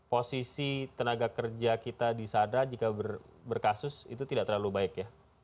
posisi tenaga kerja kita di sana jika berkasus itu tidak terlalu baik ya